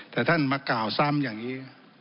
แต่ท่านมากล่าวซ้ำอย่างนี้